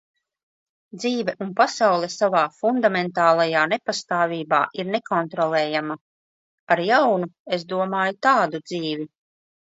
Dzīve un pasaule savā fundamentālajā nepastāvībā ir nekontrolējama. Ar "jaunu" es domāju tādu dzīvi.